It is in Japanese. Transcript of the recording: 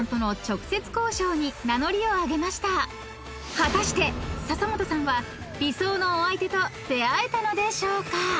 ［果たして笹本さんは理想のお相手と出会えたのでしょうか？］